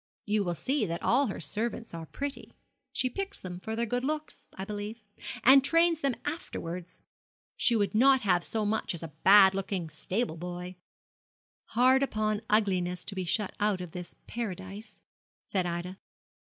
You will see that all her servants are pretty. She picks them for their good looks, I believe, and trains them afterwards. She would not have so much as a bad looking stable boy.' 'Hard upon ugliness to be shut out of this paradise,' said Ida.